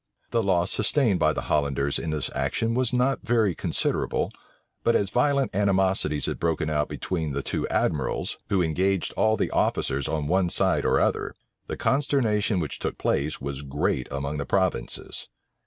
The loss sustained by the Hollanders in this action was not very considerable; but as violent animosities had broken out between the two admirals, who engaged all the officers on one side or other, the consternation which took place was great among the provinces.